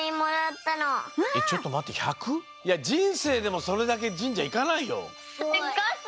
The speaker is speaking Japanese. いやじんせいでもそれだけじんじゃいかないよ。